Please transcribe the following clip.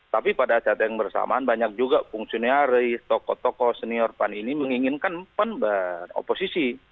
tapi pada saat yang bersamaan banyak juga fungsi nyari toko toko senior pan ini menginginkan pan beroposisi